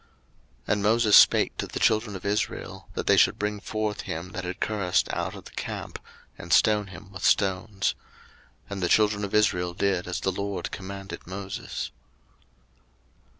03:024:023 And Moses spake to the children of Israel, that they should bring forth him that had cursed out of the camp, and stone him with stones. And the children of Israel did as the LORD commanded Moses.